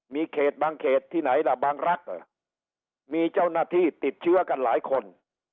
มีเขตบางเขตที่ไหนล่ะบางรักมีเจ้าหน้าที่ติดเชื้อกันหลายคน